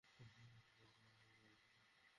আমাদের apple juice খুব জনপ্রিয়।